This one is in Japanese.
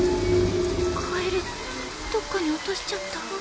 カエルどっかに落としちゃった。